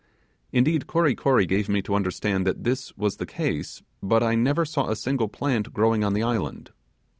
Indeed Kory Kory gave me to understand that this was the case; but I never saw a single plant growing on the island.